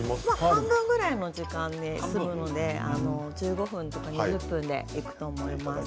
半分ぐらいの時間で済むので１５分とか２０分でいくと思います。